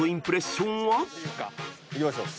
いきましょう。